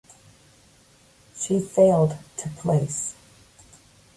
She failed to place.